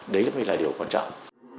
đấy mới là điều quan trọng